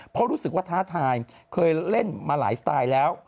เพราะรู้สึกว่าท้าทายเคยเล่นมาหลายสไตล์แล้ว